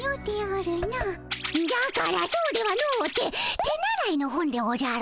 じゃからそうではのうて手習いの本でおじゃる。